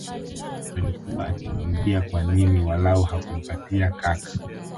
Alikua akimwambia kwa nini walau hakumpatia kaka